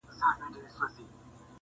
• وایې اصل یمه زه مي تر سیلانو..